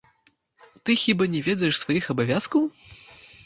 Ты хіба не ведаеш сваіх абавязкаў?